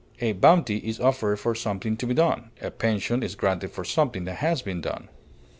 A bounty is offered for something to be done; a pension is granted for something that has been done.